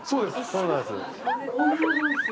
そうなんです。